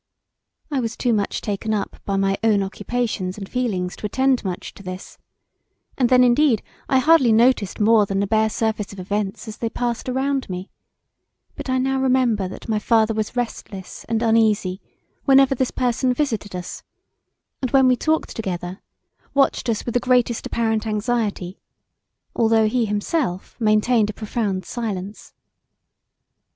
I was too much taken up by my own occupations and feelings to attend much to this, and then indeed I hardly noticed more than the bare surface of events as they passed around me; but I now remember that my father was restless and uneasy whenever this person visited us, and when we talked together watched us with the greatest apparent anxiety although he himself maintained a profound silence.